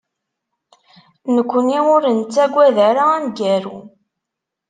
Nekkni ur nettaggad ara amgaru.